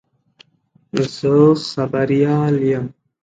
زه خبریال یم.